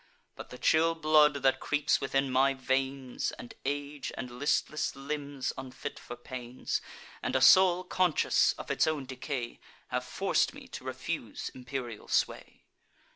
But the chill blood that creeps within my veins, And age, and listless limbs unfit for pains, And a soul conscious of its own decay, Have forc'd me to refuse imperial sway.